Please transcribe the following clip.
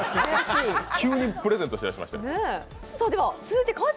急にプレゼントし出しました。